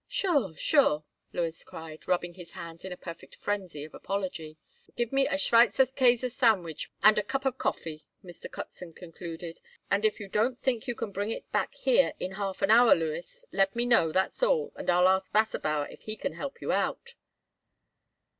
"Sure, sure," Louis cried, rubbing his hands in a perfect frenzy of apology. "Gimme a Schweizerkäse sandwich and a cup of coffee," Mr. Kotzen concluded, "and if you don't think you can bring it back here in half an hour, Louis, let me know, that's all, and I'll ask Wasserbauer if he can help you out."